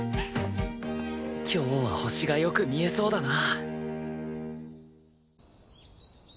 今日は星がよく見えそうだな。